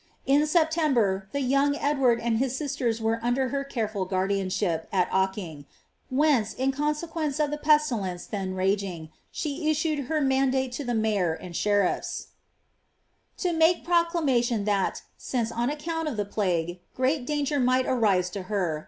In September, the young Edward and his sisters were under her carefol guardianship at Oking, whence, in consequence of the pestilence then raging, she issued her mandate to the mayor and sheriffs :—* "To make pnwiamntion that, since, on account of the placue. great danifr might arise to lier.